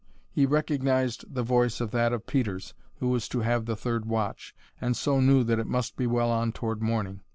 He recognized the voice as that of Peters, who was to have the third watch, and so knew that it must be well on toward morning.